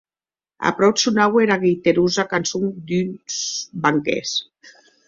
Aprop sonaue era guiterosa cançon d’uns barquèrs.